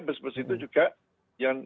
bus bus itu juga yang